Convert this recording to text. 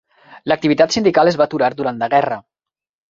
L'activitat sindical es va aturar durant la guerra.